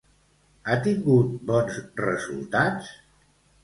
Ha tingut bons resultats?